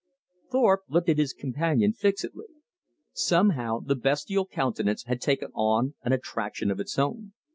Thorpe looked at his companion fixedly. Somehow the bestial countenance had taken on an attraction of its own.